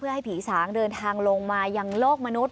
ให้ผีสางเดินทางลงมายังโลกมนุษย